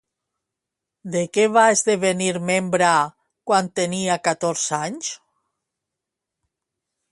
De què va esdevenir membre, quan tenia catorze anys?